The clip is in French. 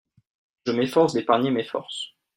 Je m'efforce d'épargner mes forces.